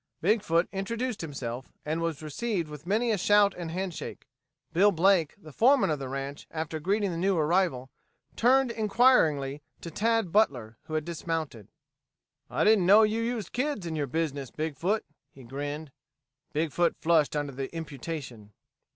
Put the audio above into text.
Big foot introduced himself and was received with many a shout and handshake. Bill Blake, the foreman of the ranch after greeting the new arrival, turned inquiringly to Tad Butler, who had dismounted. "I didn't know you used kids in your business, Big foot," he grinned. Big foot flushed under the imputation.